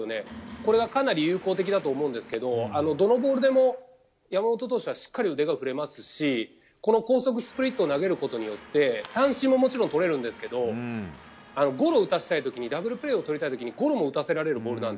これがかなり有効的だと思うんですけどどのボールでも山本投手はしっかり腕が振れますし高速スプリットを投げることによって三振ももちろんとれますがダブルプレーをとりたいときにゴロも打たせられるボール。